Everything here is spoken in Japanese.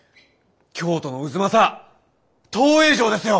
京都の太秦東映城ですよ！